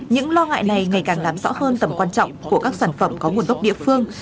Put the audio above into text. những lo ngại này ngày càng làm rõ hơn tầm quan trọng của các sản phẩm có nguồn gốc địa phương